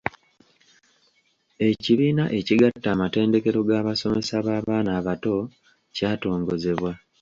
Ekibiina ekigatta amatendekero g’abasomesa b’abaana abato kyatongozebwa.